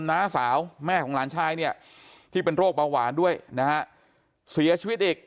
น้าสาวแม่ของหลานชายเนี่ยที่เป็นโรคเบาหวานด้วยนะฮะเสียชีวิตอีก